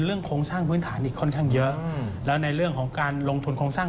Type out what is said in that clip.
โครงสร้างพื้นฐานอีกค่อนข้างเยอะแล้วในเรื่องของการลงทุนโครงสร้าง